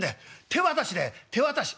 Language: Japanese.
手渡しで手渡し」。